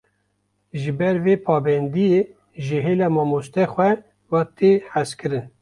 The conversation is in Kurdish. Ji ber vê pabendiyê, ji hêla mamoste xwe ve, tê hezkirin